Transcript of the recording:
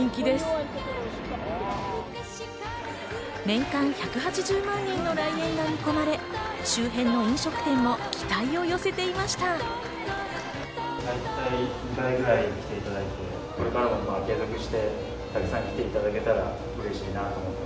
年間１８０万人の来園が見込まれ、周辺の飲食店も期待を寄せていました。